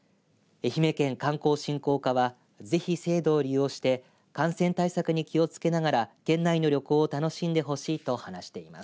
愛媛県観光振興課はぜひ制度を利用して感染対策に気を付けながら県内の旅行を楽しんでほしいと話しています。